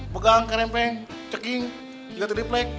pegang kerempeng ceking juga triplek